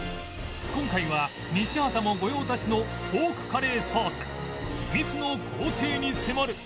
今回は西畑も御用達のポークカレーソース秘密の工程に迫る！